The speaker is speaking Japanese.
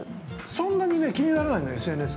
そんなに気にならないのよ、ＳＮＳが。